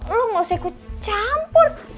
lo nggak usah ikut campur